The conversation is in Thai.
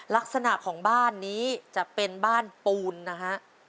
ลักษณะของบ้านนี้จะเป็นบ้านปูนนะฮะ